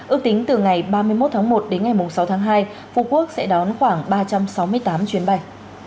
ước tính từ ngày ba mươi một tháng một đến ngày sáu tháng hai phú quốc sẽ đón khoảng ba trăm sáu mươi tám chuyến bay